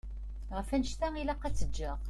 Ɣef wannect-a ilaq ad tt-ǧǧeɣ.